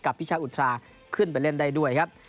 พิชาอุทราขึ้นไปเล่นได้ด้วยครับ